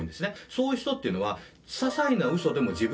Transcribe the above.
そういう人っていうのはささいな。